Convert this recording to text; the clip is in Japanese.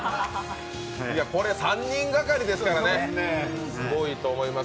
これ３人がかりですからすごいと思います。